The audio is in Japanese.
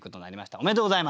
おめでとうございます！